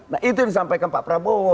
nah itu yang disampaikan pak prabowo